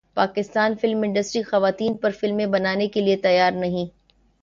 Pakistan film industry خواتین پر فلمیں بنانے کیلئے تیار نہیں